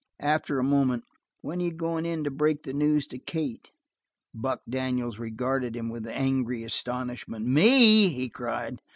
After a moment: "When are you going in to break the news to Kate?" Buck Daniels regarded him with angry astonishment. "Me?" he cried.